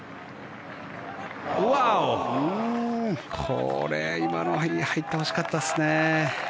これ、今のは入ってほしかったですね。